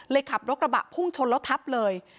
ขับรถกระบะพุ่งชนแล้วทับเลย